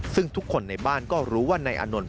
ซึ่งทุกคนในบ้านก็รู้ว่านายอานนท์